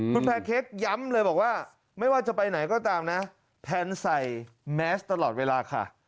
คุณแพนเค้กย้ำเลยบอกว่าไม่ว่าจะไปไหนก็ตามนะแพนใส่แมสตลอดเวลาค่ะ